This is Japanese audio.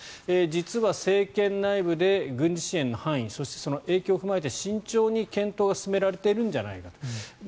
実は政権内部で軍事支援の範囲そして、その影響を踏まえて慎重に検討が進められているんじゃないかと。